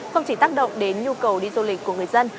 không chỉ tác động đến nhu cầu đi du lịch của người dân